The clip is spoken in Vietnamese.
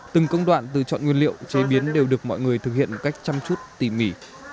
từng công đoạn từ chọn nguyên liệu chế biến đều được mọi người thực hiện một cách chăm chút tỉ mỉ